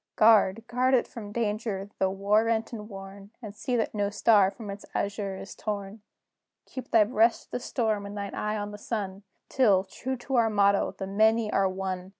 Guard, guard it from danger, though war rent and worn, And see that no star from its azure is torn! Keep thy breast to the storm, and thine eye on the sun, Till, true to our motto, THE MANY ARE ONE!